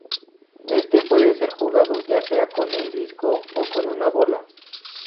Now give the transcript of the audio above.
Este puede ser jugado ya sea con un disco o una bola.